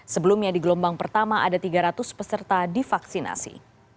sebelumnya di gelombang pertama ada tiga ratus peserta divaksinasi